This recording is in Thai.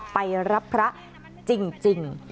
ไปรับพระจริง